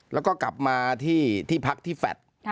แล้วก็กลับมาที่พักที่แฟลต